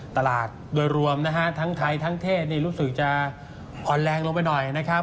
ตลาดโดยรวมนะฮะทั้งไทยทั้งเทศนี่รู้สึกจะอ่อนแรงลงไปหน่อยนะครับ